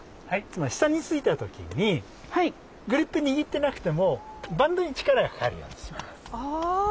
つまり下に突いた時にグリップ握ってなくてもバンドに力がかかるようにします。